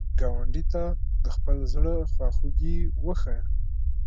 ګاونډي ته د خپل زړه خواخوږي وښایه